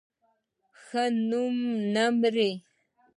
ښه نوم نه مري